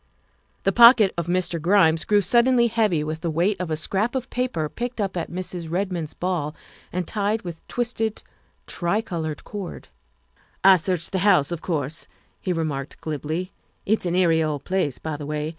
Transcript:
The pocket of Mr. Grimes grew 284 THE WIFE OF suddenly heavy with the weight of a scrap of paper picked up at Mrs. Redmond's ball and tied with twisted, tri colored cord. " I searched the house, of course," he remarked glibly;" it's an eerie old place, by the way.